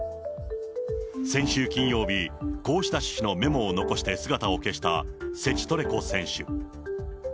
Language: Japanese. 先週金曜日、こうした趣旨のメモを残して姿を消したセチトレコ選手。